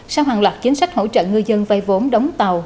sau hàng loạt chính sách hỗ trợ người dân vây vốn đóng tàu